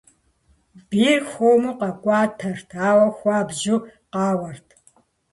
Бийр хуэму къэкӏуатэрт, ауэ хуабжьу къауэрт.